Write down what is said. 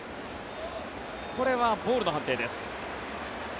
これはボールの判定です。